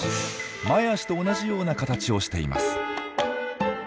前足と同じような形をしています。